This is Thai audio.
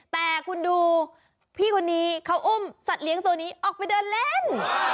แต่คุณดูพี่คนนี้เขาอุ้มสัตว์เลี้ยงตัวนี้ออกไปเดินเล่น